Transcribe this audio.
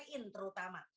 dan protein terutama